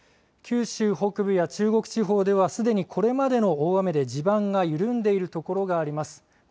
九州北部や中国地方ではすでにこれまでの大雨で地盤が緩んでいる所があります。